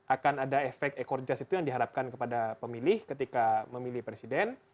akan ada efek ekor jas itu yang diharapkan kepada pemilih ketika memilih presiden